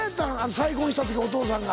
再婚した時お父さんが。